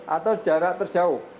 atau jarak terjauh